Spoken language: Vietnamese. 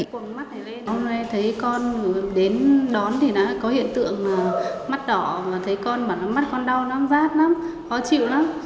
hôm nay thấy con đến đón thì có hiện tượng mắt đỏ và thấy con bảo là mắt con đau lắm rát lắm khó chịu lắm